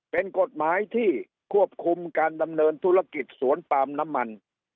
เป็นกฎหมายที่ควบคุมการดำเนินธุรกิจสวนปาล์มน้ำมัน